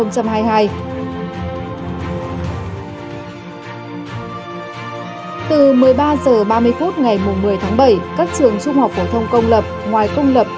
các trường trung học phổ thông công lập ngoài công lập